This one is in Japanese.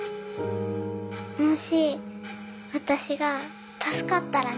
もし私が助かったらね。